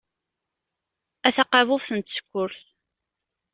A taqabubt n tsekkurt.